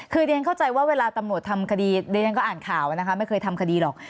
คือเรียนเข้าใจว่าเวลาตำรวจทำคดีเรียนก็อ่านข่าวนะคะไม่เคยทำคดีหรอก